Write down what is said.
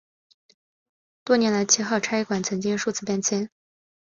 多年来七号差馆曾经过数次搬迁。